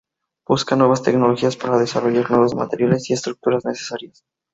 Busca nuevas tecnologías para desarrollar nuevos materiales y estructuras necesarios.